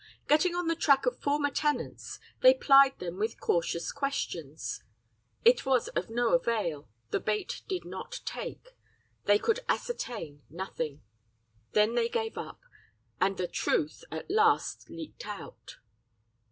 "Getting on the track of former tenants, they plied them with cautious questions; it was of no avail, the bait did not take; they could ascertain nothing. Then they gave up and the truth at last leaked out.